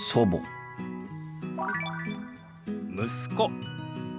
「息子」。